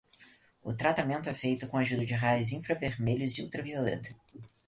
O tratamento é feito com ajuda de raios infravermelhos e ultravioleta.